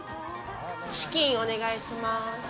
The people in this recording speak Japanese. チキンお願いします。